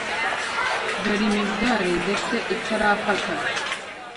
dore imibyare ndetse itarafata,